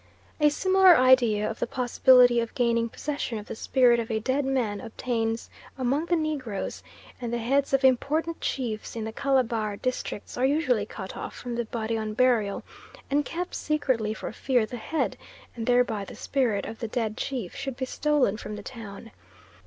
A similar idea of the possibility of gaining possession of the spirit of a dead man obtains among the Negroes, and the heads of important chiefs in the Calabar districts are usually cut off from the body on burial and kept secretly for fear the head, and thereby the spirit, of the dead chief, should be stolen from the town.